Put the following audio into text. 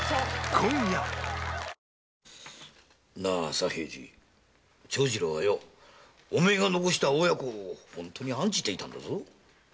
左平次長次郎はお前が残した親子を本当に案じていたんだぞ。